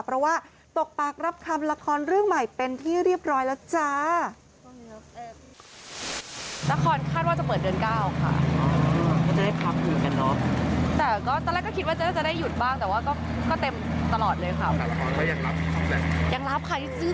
เพราะว่าตกปากรับคำละครเรื่องใหม่เป็นที่เรียบร้อยแล้วจ้า